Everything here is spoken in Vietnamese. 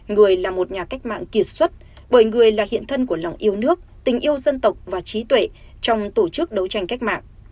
người là một nhà cách mạng kiệt xuất bởi người là hiện thân của lòng yêu nước tình yêu dân tộc và trí tuệ trong tổ chức đấu tranh cách mạng